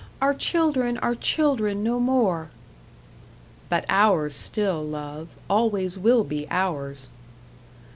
Our children are children no more." "But ours still, love always will be ours."